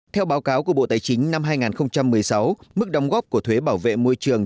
theo báo cáo của bộ tài chính năm hai nghìn một mươi sáu mức đóng góp của thuế bảo vệ môi trường